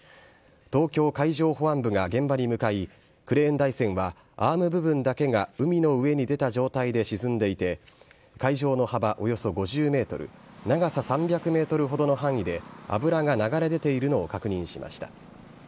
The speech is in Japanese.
東京海上保安部が現場に向かい、クレーン台船は、アーム部分だけが海の上に出た状態で沈んでいて、海上の幅およそ５０メートル、長さ３００メートルほどの範囲で、油が流れ出ているのを確認しました。